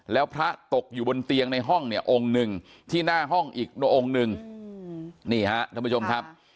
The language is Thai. แล้วพระตกอยู่บนเตียงในห้องเนี่ยองค์หนึ่งที่หน้าห้องอีกองค์หนึ่งนี่ฮะท่านผู้ชมครับ